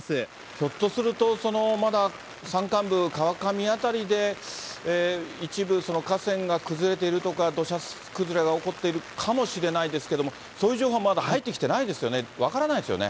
ひょっとすると、まだ山間部、川上辺りで一部河川が崩れているとか土砂崩れが起こっているかもしれないですけれども、そういう情報はまだ入ってきてないですよね。